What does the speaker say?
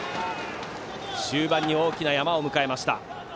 終盤に大きな山を迎えました。